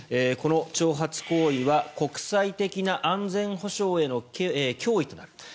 この挑発行為は国際的な安全保障への脅威となる。